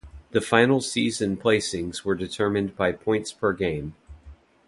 The final season placings were determined by points per game.